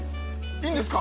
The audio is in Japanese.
いいんですか？